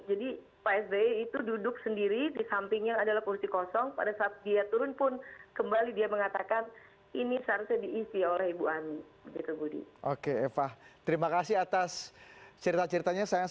jadi pak s b itu duduk sendiri di sampingnya adalah kursi kosong